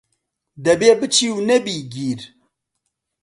دەبێ پچی و نەبی گیر